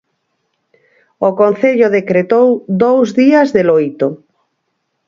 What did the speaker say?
O concello decretou dous días de loito.